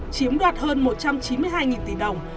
chiếm đoạt hơn một trăm chín mươi hai tỷ đồng